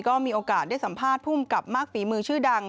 ก็มีโอกาสได้สัมภาษณ์ภูมิกับมากฝีมือชื่อดัง